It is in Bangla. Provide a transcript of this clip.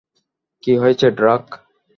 কী হয়েছে, ড্রাক?